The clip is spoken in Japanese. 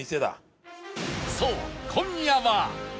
そう今夜は！